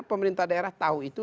pemerintah daerah tahu itu